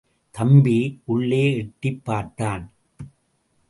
தம்பி! உள்ளே எட்டிப் பார்த்தான்.